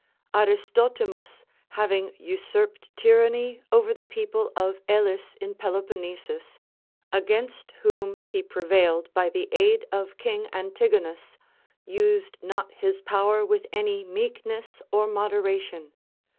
Aristotimus having usurped tyranny over the people of Elis in Peloponnesus, against Avhom he prevailed by the aid of King Antigonus, used not his power with anv meekness or moderation.